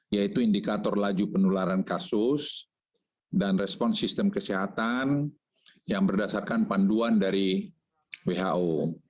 yaitu indikator laju penularan kasus dan respon sistem kesehatan yang berdasarkan panduan dari who